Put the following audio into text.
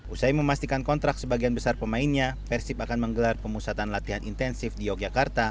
usai memastikan kontrak sebagian besar pemainnya persib akan menggelar pemusatan latihan intensif di yogyakarta